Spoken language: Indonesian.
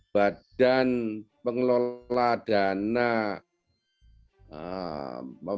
badan pengelola dana